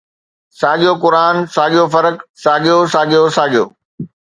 ساڳيو قرآن، ساڳيو فرق، ساڳيو، ساڳيو، ساڳيو